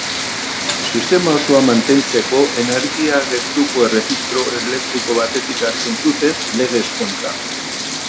Sistema osoa mantentzeko energia gertuko erregistro elektriko batetik hartzen zuten, legez kontra.